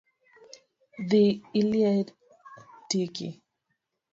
Dhii iliel tiki